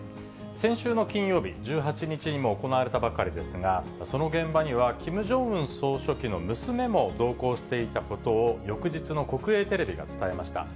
先週の金曜日、１８日にも行われたばかりですが、その現場には、キム・ジョンウン総書記の娘も同行していたことを、翌日の国営テレビが伝えました。